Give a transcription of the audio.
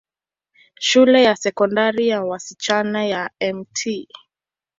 Shule ya Sekondari ya wasichana ya Mt.